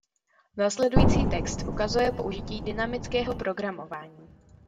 Následující text ukazuje použití dynamického programování.